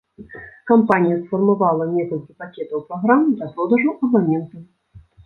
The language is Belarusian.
Кампанія сфармавала некалькі пакетаў праграм для продажу абанентам.